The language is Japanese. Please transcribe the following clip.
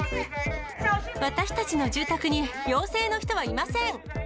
私たちの住宅に陽性の人はいません！